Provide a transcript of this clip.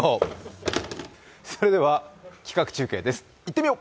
それでは企画中継です、いってみよう！